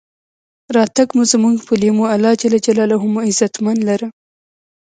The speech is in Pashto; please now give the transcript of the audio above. راتګ مو زمونږ پۀ لېمو، الله ج مو عزتمن لره.